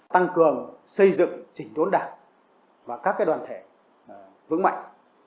tăng cường xây dựng chỉnh đốn đảng và các đoàn thể vững mạnh